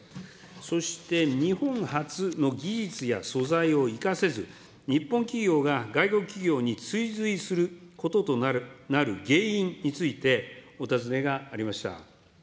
そして日本発の技術や素材を生かせず、日本企業が外国企業に追随することとなる原因について、お尋ねがありました。